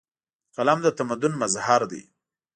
قلم د تمدن مظهر دی.